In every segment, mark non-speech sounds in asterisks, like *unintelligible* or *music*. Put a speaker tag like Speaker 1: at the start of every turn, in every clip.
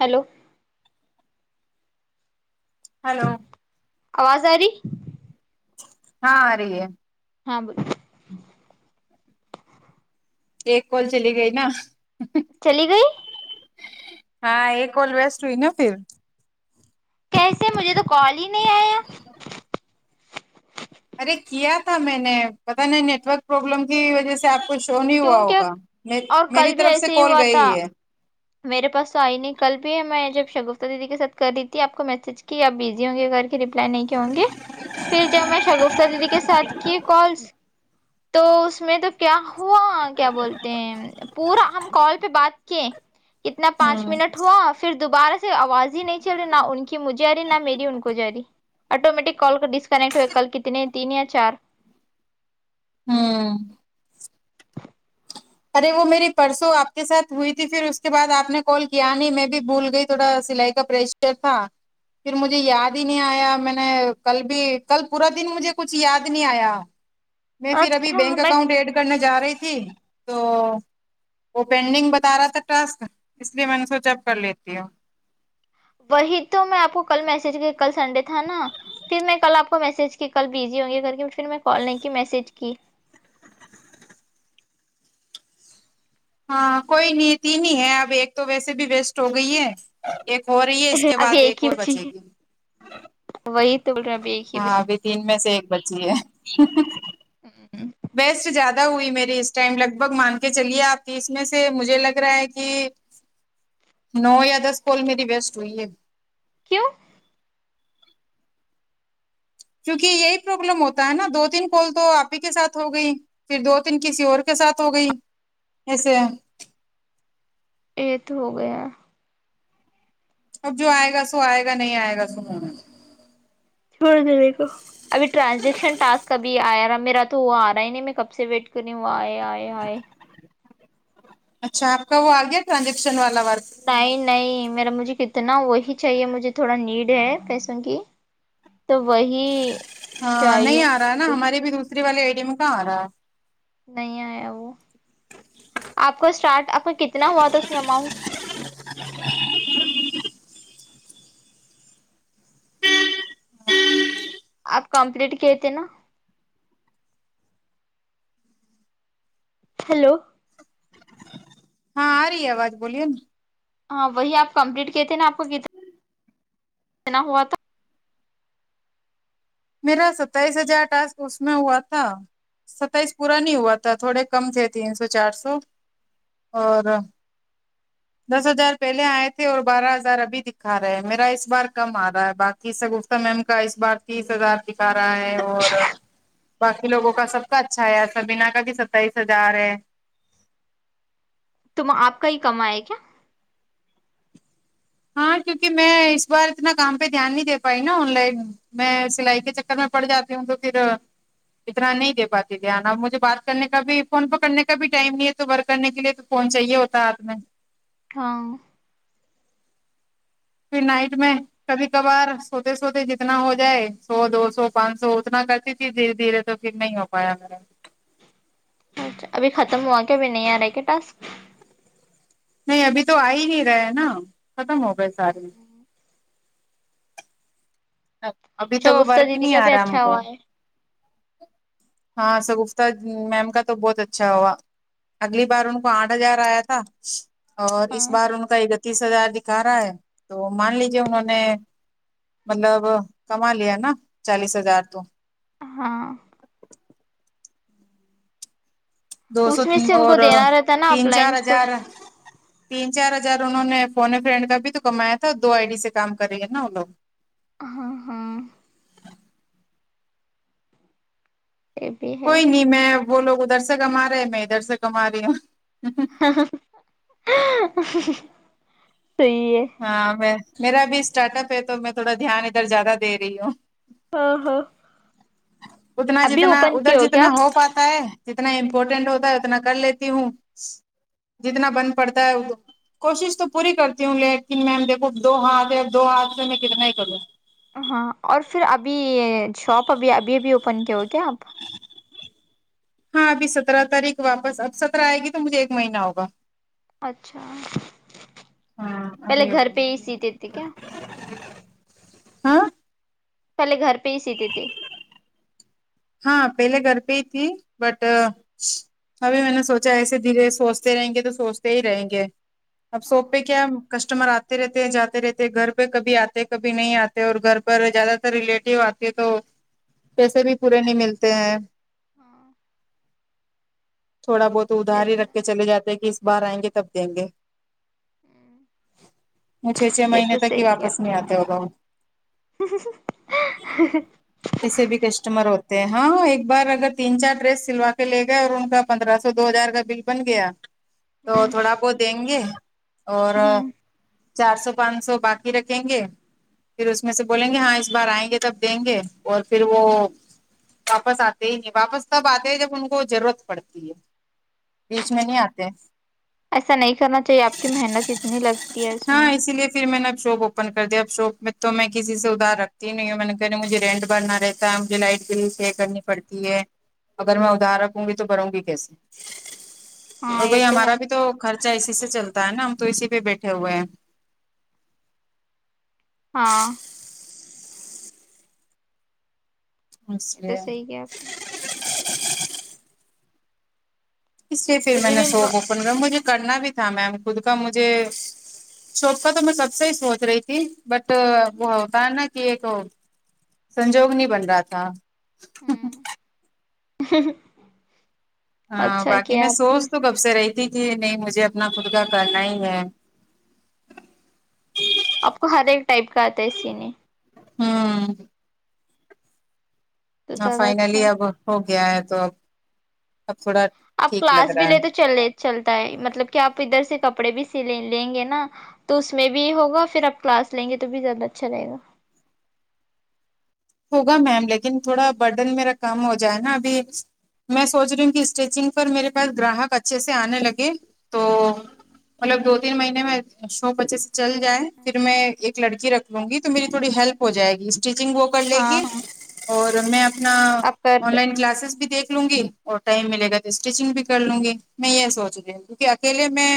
Speaker 1: hello
Speaker 2: hello
Speaker 1: آواز آ رہی
Speaker 2: ہاں آرہی ہے
Speaker 1: ہاں بولو
Speaker 2: ایک کال چلی گئی نا
Speaker 1: چلی گئی
Speaker 2: ہاں ایک کال ویسٹ ہوئی نا پھر
Speaker 1: کیسے مجھے تو کال ہی نہیں آیا
Speaker 2: ارے کیا تھا میں نے پتا نے نیٹ ورک پروبلم کی وجہ سے آپ کچ شو نہیں ہوا
Speaker 1: کیونکہ
Speaker 2: ہوگا
Speaker 1: اور
Speaker 2: میری
Speaker 1: کل بھی
Speaker 2: طرف سے
Speaker 1: ایسے ہی
Speaker 2: کال
Speaker 1: ہوا
Speaker 2: گئی
Speaker 1: تھا
Speaker 2: ہے
Speaker 1: میرے پاس تو آئی نہیں کل بھی ہے میں جب شگفتہ دیدی کے ساتھ کر رہی تھی آپ کو میسج کی آپ بزی ہوں گے گھر رپلائی نہیں کی ہوں گی پھر جب میں شگفتہ دیدی کے ساتھ کی کالس تو اس میں تو کیا ہوا کیا بولتے ہیں پورا ہم کال پہ بات کیے اتنا پانچ
Speaker 2: ہوں
Speaker 1: منٹ ہوا آپ پھر دوبارہ سے آواز ہی نہیں چل رہی نہ ان کی مجھے آرہی نہ میری ان کو جا رہی آٹومیٹک کال کا ڈسکنیکٹ ہوئے کل کتنے تین یا چار
Speaker 2: ہوں ارے وہ میری پرسوں آپ کے ساتھ ہوئی تھی پھر اس کے بعد آپ نے کال کیا نہیں میں بھی بھول گئی تھوڑا سلائی کا پریش چفا پھر مجھے یاد ہی نہیں آیا میں نے کل بھی کل پورا دن مجھے کچھ یاد نہیں آیا میں فھر ابھی
Speaker 1: اچھا
Speaker 2: بینک
Speaker 1: میں
Speaker 2: اکاؤنٹ ایڈ کرنے جا رہی تھی تو وہ پینڈنگ بتا رہا تھا ٹرسک اس لیے میں نے سوچ اپ کر لیتی ہوں
Speaker 1: وہی تو میں آپ کو کل میسج کیا کل سنڈے تھا نا پھر میں کل آپ کو میسج کی کل بزی ہوں گی گھر کے پھر میں کال نہیں کی میسج کی
Speaker 2: ہاں کوئی نہیں تین ہی ہے اب ایک تو ویسے بھی ویسٹ ہو گئی ہے ایک ہو رہی ہے اس کے
Speaker 1: ابھی
Speaker 2: بعد ایک
Speaker 1: ہی
Speaker 2: اور
Speaker 1: بچی
Speaker 2: بچے
Speaker 1: ہے،
Speaker 2: گی
Speaker 1: وہی تو ال ربی ہی
Speaker 2: ہاں
Speaker 1: بچی
Speaker 2: ابھی تین میں سے ایک بچی ہے
Speaker 1: ہوں
Speaker 2: بیسٹ جیادہ ہوئی میری اس ٹائم لگ بھگ مان کے چلیے آپ تیس میں سے مجھے لگ رہا ہے کی نو یا دس کول میری بیسٹ ہوئی ہے
Speaker 1: کیوں
Speaker 2: کیونکہ یہی پروابلم ہوتا ہے نا دو تین کال تو آپ ہی کے ساتھ ہو گئی پھر دو تین کسی اور کے ساتھ ہو گئی ایسے
Speaker 1: ایتھ ہو گیا
Speaker 2: اب جو آئے گا سو آئے گا نہیں آئے گا سو
Speaker 1: چھوڑ دینے کا ابھی ٹرانزیکشن ٹاسک ابھی آیا را میرا تو وہ آ رہا ہی نہیں میں کب سے ویٹ کر رہی ہوں وہ آئے آئے آئے
Speaker 2: اچھا اپ کا وہ آ گیا ٹرانزیکشن والا ورک
Speaker 1: نہیں نہیں میرا مجھے کتنا وہی چاہیے مجھے تھوڑا نیڈ ہے پیسوں کی تو وہی
Speaker 2: ہاں نہیں
Speaker 1: چاہیے
Speaker 2: آ رہا ہے
Speaker 1: مجھے
Speaker 2: نا
Speaker 1: لیکن
Speaker 2: ہمارے بھی دوسری والے ای ڈی میں کہاں آ رہا ہے
Speaker 1: نہیں آیا وہ آپ کا اسٹارٹ آپ کا کتنا ہوا تھا اس میں اماؤنٹ آپ کمپلیٹ کیے تھے نا ہیلو
Speaker 2: ہاں آ رہی ہے آواج بولیے نا
Speaker 1: ہاں وہی آپ کمپلیٹ کئے تھے نا آپ کو کتنا کتنا ہوا تھا
Speaker 2: میرا ستائیس ہجار ٹاسک اس میں ہوا تھا ستائیس پورا نہیں ہوا تھا تھوڑے کم تھے تین سو چار سو اور دس ہزار پہلے آئے تھے اور بارہ ہزار ابھی دکھا رہے ہیں میرا اس بار کم آ رہا ہے باقی تیس سگفتہ میم کا اس بار تیس ہزار دکھا رہا ہے اور باقی لوگو کا سب کا اچھا آیا سبینا کا بھی ستائیس ہزار ہے
Speaker 1: توم آپ کا ہی کم آے کیا
Speaker 2: ہاں کیونکہ میں اس بار اتنا کام پہ دھیان نہیں دے پائی نا آن لائن میں سلائی کے چکر میں پڑ جاتی ہوں تو پھر اتنا نہیں دے پاتے دھیان اب مجھے بات کرنے کا بھی فون پکڑنے کا بھی ٹائم نہیں ہے تو ورک کرنے کے لیے تو فون چاہیے ہوتا ہاتھ میں
Speaker 1: ہاں
Speaker 2: پھر نائٹ میں کبھی کبھار سوتے سوتے جتنا ہو جائے سو دو سو پانچ سو اتنا کرتی تھی دھیرے دھیرے تو پھر نہیں اب پایا *unintelligible*
Speaker 1: اچھا ابھی ختم ہوا کیا ابھی نہیں آ رہا ہے کیا ٹاسک
Speaker 2: نہیں ابھی تو آئی ہی نہیں رہے ہیں نا ختم ہو گئے سارے ابھی تو
Speaker 1: شگفتہ
Speaker 2: ورک
Speaker 1: دیدی
Speaker 2: نہیں
Speaker 1: کا
Speaker 2: آ
Speaker 1: بھی
Speaker 2: رہا ہم
Speaker 1: اچھا
Speaker 2: کو
Speaker 1: ہوا ہے
Speaker 2: ہاں سگفتہ میم کا تو بہت اچھا ہوا اگلی بار ان کو آٹھ ہزار آیا تھا اور اس
Speaker 1: ہاں
Speaker 2: بار ان کا ایک تیس ہزار دکھا رہا ہے تو مان لیجے انہوں نے مطلب کما لیا نا چالیس ہزار تو
Speaker 1: ہاں
Speaker 2: دو سو
Speaker 1: اس میں
Speaker 2: تھی
Speaker 1: سے ان کو
Speaker 2: اور
Speaker 1: دینا رہتا نا
Speaker 2: تین
Speaker 1: اپ
Speaker 2: چار
Speaker 1: لائنس کو بھی،
Speaker 2: ہزار تین چار ہزار انہوں نے فونے فرینڈ کا بھی تو کمایا تھا دو آئی ڈی سے کام کریں گے نا وہ لوگ
Speaker 1: ہاں ہاں یہ بھی ہے
Speaker 2: کوئی نہیں میں وہ لوگ ادھر سے کما رہے ہیں میں ادھر سے کما رہی ہوں
Speaker 1: امم امم صحیح ہے
Speaker 2: ہاں میں میرا بھی اسٹارٹ اپ ہے تو میں تھوڑا دھیان ادھر زیادہ دے رہی ہوں
Speaker 1: ہاں ہاں
Speaker 2: اتنا
Speaker 1: ابھی
Speaker 2: جتنا
Speaker 1: اوپن
Speaker 2: ادھر
Speaker 1: کیے کیا
Speaker 2: جتنا
Speaker 1: آپ
Speaker 2: ہو پاتا ہے جتنا امپورٹینٹ ہوتا ہے اتنا کر لیتی ہوں جتنا بن پڑتا ہے وہ کوشش تو پوری کرتی ہوں لیکن میم دیکھو دو ہاتھ ہے دو ہاتھ سے میں کتنا ہی کروں
Speaker 1: ہاں اور پھر ابھی یہ شاپ ابھی ابھی ابھی اوپن کیا ہو کیا آپ
Speaker 2: ہاں ابھی سترہ تاریخ واپس اب سترہ آئے گی تو مجھے ایک مہینہ ہوگا
Speaker 1: اچھا
Speaker 2: ہاں
Speaker 1: پہلے
Speaker 2: ابھی
Speaker 1: گھر پہ ہی سیتے تھے کیا
Speaker 2: ہاں
Speaker 1: پہلے گھر پہ ہی سیتے تھے
Speaker 2: ہاں پہلے گھر پہ ہی تھی بٹ ابھی میں نے سوچا ایسے دھیرے سوچتے رہیں گے تو سوچتے ہی رہیں گے اب ساپ پہ کیا کسٹمر آتے رہتے جاتے رہتے گھر پہ کبھی آتے کبھی نہیں آت ے اور گھر پر زیادہ تر ریلیٹو آتی ہے تو پیسے بھی پورے نہیں ملتے ہیں تھوڑا بہت ادھار ہی رکھ کے چل جاتے ہیں کہ بار آئیں گے تب دیں گے وہ چھ چھ
Speaker 1: یہ
Speaker 2: مہینے
Speaker 1: تو
Speaker 2: تک ہی واپس نہیں آتے ہوگا
Speaker 1: ہم حا حا ہم
Speaker 2: بھی کسٹمر ہوتے ہیں ہاں ایک بار اگر تین چار ڈریس سلوا کے لے گئے اور ان کا پندرہ سو دو ہزار کا بل بن گیا تو تھوڑا بہت دیں گے اور
Speaker 1: ہ
Speaker 2: چار سو پانچ سو باقی رکھیں گے پھر اس میں سے بولیں گے ہاں اس بار آئیں گے تب دیں گے اور پھر وہ واپس آتے ہی نہیں واپس تب آتے ہیں جب ان کو ضرورت پڑتی ہے بیچ میں نہیں آتے
Speaker 1: ایسا نہیں کرنا چاہیے آپ کی محنت اتنی لگتی ہے اس میں
Speaker 2: ہاں اسی لیے پھر میں نے اب چو ب کر دیا اب شاپ میں تو میں کسی سے ادھار رکھتی نہیںوں میں نے کہہ رہ مجھے رینٹ بھرنا رہتا ہے مجھے لائٹ کرنی پڑتی ہے اگر میں ادھار رکھوں گی تو بھروں گی کیسے
Speaker 1: ہاں
Speaker 2: اور
Speaker 1: یہ
Speaker 2: بھائی
Speaker 1: ہے
Speaker 2: ہمارا بھی تو خرچہ اسی سے چلتا ہے نا ہم تو اسی پہ بیٹھے ہوئے ہیں
Speaker 1: ہاں
Speaker 2: اسچ
Speaker 1: یہ تو
Speaker 2: لیے
Speaker 1: صحیح کیا آپ
Speaker 2: اس لیے پھر میں
Speaker 1: مجھے
Speaker 2: نے
Speaker 1: بھی
Speaker 2: سو کووپن مجھے کرنا بھی تھا میم خود کا مجھے چھوپکا تو میں سب سے ہی سوچ رہی تھی بٹ وہ ہوتا ہے نا کہ ایک سنجوگ نہیں بن رہا تھا
Speaker 1: ہوں
Speaker 2: ہاں
Speaker 1: اچھا
Speaker 2: باقی
Speaker 1: کیا
Speaker 2: میں
Speaker 1: آپ
Speaker 2: سوچ
Speaker 1: نے
Speaker 2: تو گپ سے رہی تھی کہ نہیں مجھے اپنا خود کا کرنا ہی ہے
Speaker 1: آپ کو ہر ایک ٹائپ کا آتا ہے سینے
Speaker 2: ہوں
Speaker 1: تو
Speaker 2: ہاں
Speaker 1: زیادہ اچھا
Speaker 2: فائنلی
Speaker 1: ہے
Speaker 2: اب ہو گیا ہے تو اب اب تھوڑا
Speaker 1: آپ
Speaker 2: ٹھیک لگ
Speaker 1: کلاس بھی
Speaker 2: رہا
Speaker 1: لے
Speaker 2: ہے
Speaker 1: تو چلے چلتا ہے مطلب کہ آپ ادھر سے کپڑے بھی س لیں گے نا تو اس میں بھی ہوگا پھر آپ کلاس لیں گے تو بھی زیادہ اچھا رہے گا
Speaker 2: ہوگا میم لیکن تھوڑا برڈن میرا کام ہو جائے نا ابھی میں سوچ رہی ہوں کہ اسٹیچنگ پر میرے پاس گراہک اچھے سے آنے لگے تو مطلب دو تین مہینے میں شوپ اچھے سے چل جاے پھر میں ایک لڑکی رکھ لوں گی تو میری تھوڑی ہیلپ ہو جائے گی اسٹیچنگ وہ کر لے
Speaker 1: ہاں
Speaker 2: گی
Speaker 1: ہاں
Speaker 2: اور میں اپنا
Speaker 1: آپ کا
Speaker 2: آن لائن کلاسز بھی دیکھ لوں گی اور ٹائم ملے گا تو اسٹیچنگ بھی کر لوں گی میں یہ سوچ رہی ہوں کیونکہ اکیلے میں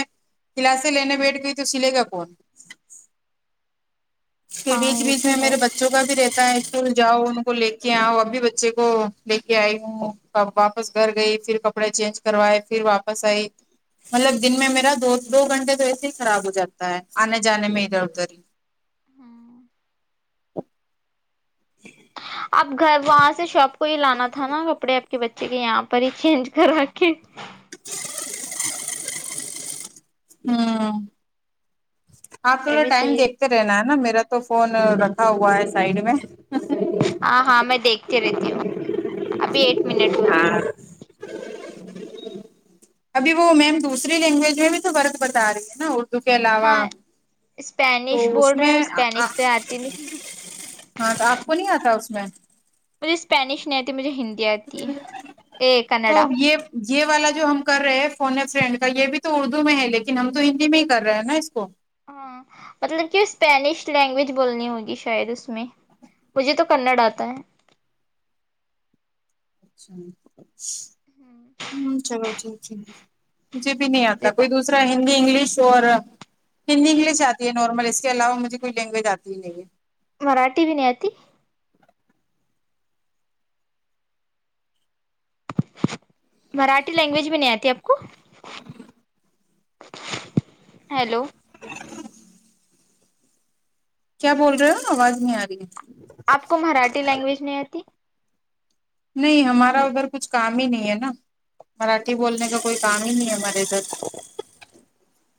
Speaker 2: کلاسے لینے بیٹھ گئی تو سلے گا فون کے
Speaker 1: ہاں
Speaker 2: بیچ
Speaker 1: یہ
Speaker 2: بیچ
Speaker 1: تو
Speaker 2: میں
Speaker 1: ہے
Speaker 2: میرے بچوں کا بھی رہتا ہے اسکول جاؤ ان کو لے کے آؤ اب بھی بچے کو لے کے آئی ہوں اب واپس گھر گئی پھر کب کپڑے چینج کروائے پھر واپس آئی مطلب دن میں میرا دو دو گھنٹے تو ایسے ہی خراب ہو جاتا ہے آنے جانے میں ادھر ادھر ہی جی
Speaker 1: اپ گھر وہاں سے شاپ کو ہی لانا تھا نا کپڑے آپ کے بچے کے یہاں پر ہی چینج کرا کے
Speaker 2: ہوں آپ تھوڑا
Speaker 1: بھی
Speaker 2: ٹائم
Speaker 1: صحیح رہ
Speaker 2: دیکھتے رہنا ہے نا میرا تو فون رکھا ہوا ہے سائڈ میں
Speaker 1: ہاں ہاں میں دیکھتی رہتی ہوں ابھی ایک منٹ ہوا ہے
Speaker 2: ابھی وہ میم دوسری لینگویج میں بھی تو فرق بتا رہی ہے نا کے علاوہ
Speaker 1: ہاں
Speaker 2: تو
Speaker 1: اسپینش
Speaker 2: اس
Speaker 1: بول رہے
Speaker 2: میں
Speaker 1: ہیں اسپینش تو آتی نہیں
Speaker 2: ہاں تو آپ کو نہیں آتا اس میں
Speaker 1: مجھے اسپینش نہیں آتی مجھے ہندی آتی اے
Speaker 2: تو
Speaker 1: کنڈا
Speaker 2: یہ یہ والا جو ہم کر رہے ہیں فونے فرینڈ کا یہ بھی تو اردو میں ہے لیکن ہم تو ہندی میں ہی کر رہے ہیں نا اس کو
Speaker 1: ہاں مطلب کہ اسپینش لینگویج بولنی ہوگی شاید اس میں مجھے تو کنڑ آتا ہے
Speaker 2: چلو ٹھیک ہے مجھے بھی نہیں آتا
Speaker 1: مجھے
Speaker 2: کوئی دوس را ہندی انگلش اور ہندی انگلش آتی ہے نارمل اس کے علاوہ مجھے کوئی لینگویج آتی نہیں ہے
Speaker 1: مراٹھی بھی نہیں اتی مراٹھی لینگویج بھی نہیں آتی آپ کو ہیلو
Speaker 2: کیا بول رہے ہو آواز نہیں آ رہی ہے
Speaker 1: آپ کو مراٹھی لینگویج نہیں آتی
Speaker 2: نہیں ہمارا ادھر کچھ کام ہی نہیں ہے نا مراٹھی بولنے کا کوئی کام ہی نہیں ہے ہمارےادھر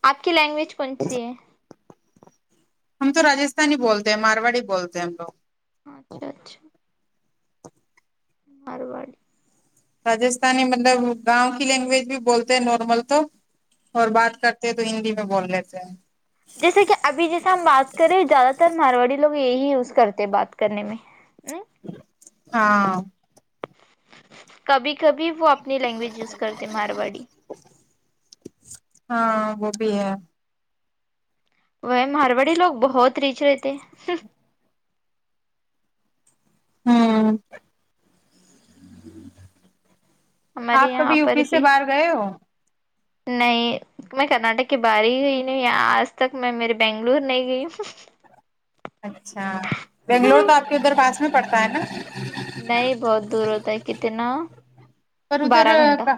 Speaker 1: آپ کی لینگویج کون سی ہے
Speaker 2: ہم تو راستھانی بولتے ہیں مارواڑی بولتے ہیں ہم لوگ
Speaker 1: اچھا اچھا مارواڑی
Speaker 2: راجستھانی مطلب گاؤں کی لینگویج بھی بولتے ہیں نارمل تو اور بات کرتے ہیں تو ہندی میں بول لیتے ہیں
Speaker 1: جیسے کہ ابھی جیسے ہم بات کریں زیادہ تر مارواڑی لوگ یہی یوز کرتے بات کرنے میں
Speaker 2: ہاں
Speaker 1: کبھی کبھی وہ اپنی لینگویج یوز کرتے مارواڑی
Speaker 2: ہاں وہ بھی ہے
Speaker 1: وہ مارواڑی لوگ بہت ریچ رہتے
Speaker 2: ہوں آپ
Speaker 1: ہمارے یہاں
Speaker 2: کبھی یو
Speaker 1: پر
Speaker 2: پی سے
Speaker 1: بھی
Speaker 2: باہر گئے ہو
Speaker 1: نہیں میں کرناٹک کے باہر ہی گئی نہیں آج تک میں میرے بنگلور نہیں گئی ہوں
Speaker 2: اچھا بنگلور تو آپ کے ادھر پاس میں پڑتا ہے نا
Speaker 1: نہیں بہت دور ہوتا ہے کتنا
Speaker 2: پر ادھر
Speaker 1: بارہ گھنٹہ
Speaker 2: کا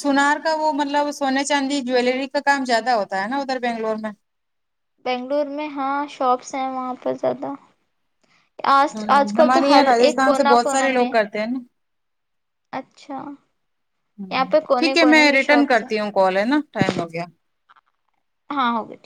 Speaker 2: سونار کا وہ مطلب سونے چاندی جیلری کا کام زیادہ ہوتا ہے نا ادھر بنگلور میں
Speaker 1: بنگلور میں ہاں شاپس ہیں وہاں پر زیادہ آج
Speaker 2: ہوں
Speaker 1: آج کل تو
Speaker 2: ہمارے یہاں
Speaker 1: ہر ایک
Speaker 2: راجستھان سے
Speaker 1: کونا
Speaker 2: بہت
Speaker 1: کونا
Speaker 2: سارے
Speaker 1: میں
Speaker 2: لوگ کرتے ہیں نا
Speaker 1: اچھا یہاں
Speaker 2: ہوں
Speaker 1: پہ کونے
Speaker 2: ٹھیک ہے میں
Speaker 1: کونے
Speaker 2: ریٹرن
Speaker 1: شاپس ہیں
Speaker 2: کرتی ہوں کال ہے نا ٹائم ہو گیا
Speaker 1: ہاں ہوگےٹھیک